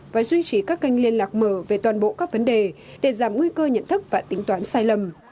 và duy trì các kênh liên lạc mở về toàn bộ các vấn đề để giảm nguy cơ nhận thức và tính toán sai lầm